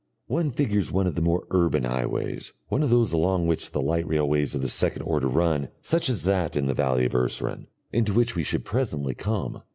One figures one of the more urban highways, one of those along which the light railways of the second order run, such as that in the valley of Urseren, into which we should presently come.